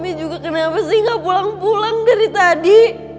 ini juga kenapa sih gak pulang pulang dari tadi